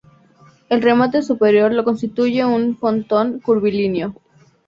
El remate superior lo constituye un frontón curvilíneo.